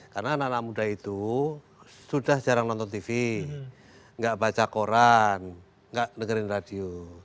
karena anak anak muda itu sudah jarang nonton tv tidak baca koran tidak dengerin radio